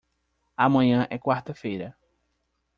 Amanhã é quarta feira.